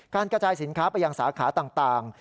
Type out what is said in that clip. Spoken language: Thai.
กระจายสินค้าไปยังสาขาต่าง